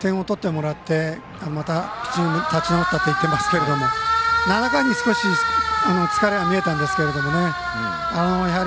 先ほど盛田君が点を取ってもらってまた、ピッチング立ち直ったと言っていますけど７回に少し疲れが見えたんですけどね。